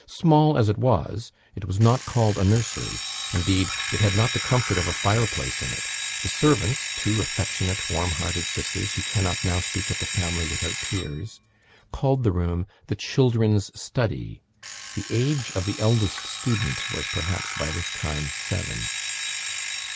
Small as it was, it was not called a nursery; indeed, it had not the comfort of a fire place in it; the servants two affectionate, warm hearted sisters, who cannot now speak of the family without tears called the room the "children's study." The age of the eldest student was perhaps by this time seven.